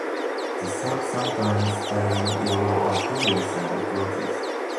The sap sometimes stains yellow on fingers and clothes.